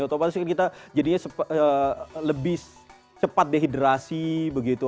atau kita jadinya lebih cepat dehidrasi begitu